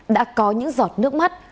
đã có những giọt nước mắt